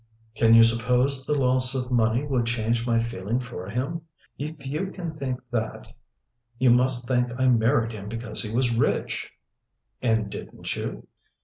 "Can you suppose the loss of money would change my feeling for him? If you can think that you must think I married him because he was rich." "And didn't you?"